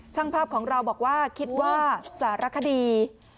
ช่างภาพของเราบอกว่าคิดว่าสารคดี